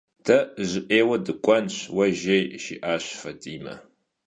De jı 'êyue dık'uenuş, vue jjêy ,- jji'aş Fat'ime.